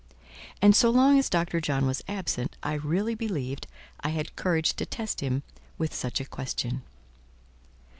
And so long as Dr. John was absent, I really believed I had courage to test him with such a question.